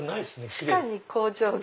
地下に工場が。